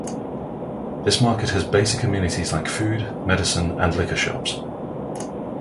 This market has basic amenities like food, medicine and liquor shops.